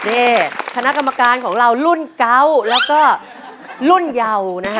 นี่คณะกรรมการของเรารุ่นเก่าแล้วก็รุ่นเยานะฮะ